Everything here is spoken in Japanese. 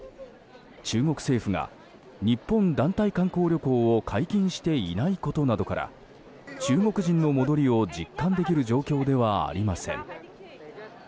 中国政府が日本団体観光旅行を解禁していないことなどから中国人の戻りを実感できる状況ではありません。